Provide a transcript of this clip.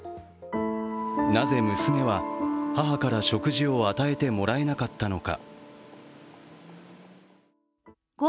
なぜ娘は母から食事を与えてもらえなかったのか。